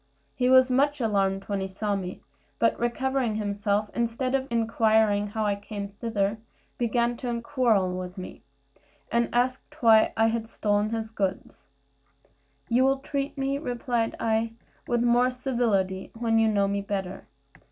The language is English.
He was much alarmed when he saw me; but recovering himself, instead of inquiring how I came thither, began to quarrel with me, and asked why I stole his goods. "You will treat me," replied I, "with more civility, when you know me better.